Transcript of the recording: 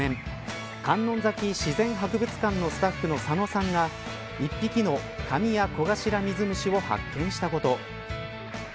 観音崎自然博物館のスタッフの佐野さんが１匹のカミヤコガシラミズムシを発見したこと。